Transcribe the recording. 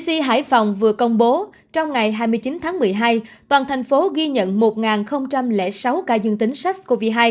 c hải phòng vừa công bố trong ngày hai mươi chín tháng một mươi hai toàn thành phố ghi nhận một sáu ca dương tính sars cov hai